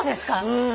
うん。